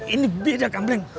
ini beda kan blank